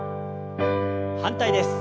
反対です。